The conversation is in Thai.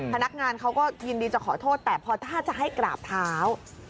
พนักงานเขาก็ยินดีจะขอโทษแต่พอถ้าจะให้กราบเท้า